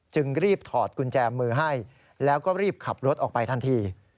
จึงรีบถอดกุญแจมือให้แล้วก็รีบขับรถออกไปทันที